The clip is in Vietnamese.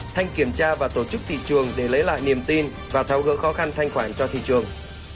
thanh kiểm tra và tổ chức thị trường để lấy lại niềm tin và thao gỡ khó khăn thanh khoản cho thị trường